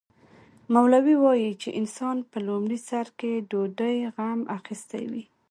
مولوي وايي چې انسان په لومړي سر کې ډوډۍ غم اخیستی وي.